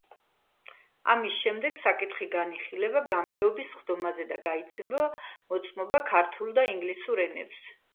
ამის შემდეგ საკითხი განიხილება გამგეობის სხდომაზე და გაიცემა მოწმობა ქართულ და ინგლისურ ენებზე.